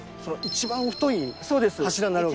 一番太い柱。